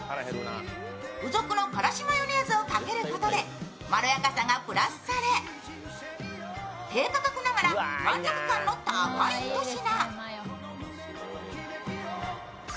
付属のからしマヨネーズをかけることで、まろやかさがプラスされ低価格ながら満足感の高いひと品。